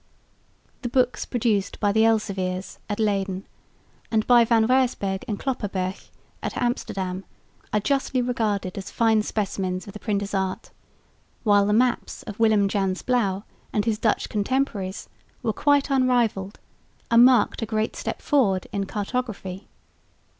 The books produced by the Elseviers at Leyden and by Van Waesberg and Cloppenburch at Amsterdam are justly regarded as fine specimens of the printer's art, while the maps of Willem Jansz Blaeu and his Dutch contemporaries were quite unrivalled, and marked a great step forward in cartography.